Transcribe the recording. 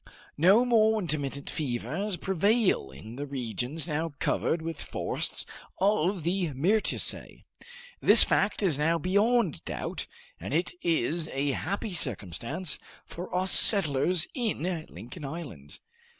No more intermittent fevers prevail in the regions now covered with forests of the myrtaceae. This fact is now beyond doubt, and it is a happy circumstance for us settlers in Lincoln Island."